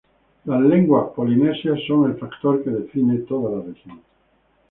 Las lenguas polinesias son el factor que define toda la región.